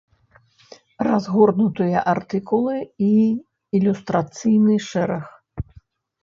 Разгорнутыя артыкулы і ілюстрацыйны шэраг.